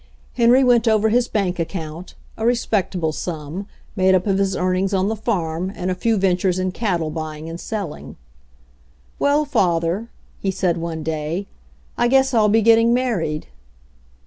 Henry went over his bank account, a respectable sum, made up of his earnings on the farm and a few ventures in cattle buying and selling. "Well, father," he said one day, "I guess I'll be getting married."